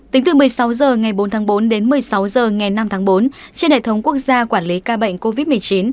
tính từ một mươi sáu h ngày bốn tháng bốn đến một mươi sáu h ngày năm tháng bốn trên hệ thống quốc gia quản lý ca bệnh covid một mươi chín